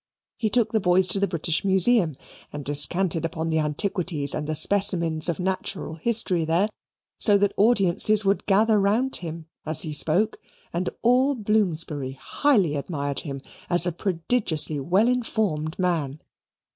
He took the boys to the British Museum and descanted upon the antiquities and the specimens of natural history there, so that audiences would gather round him as he spoke, and all Bloomsbury highly admired him as a prodigiously well informed man.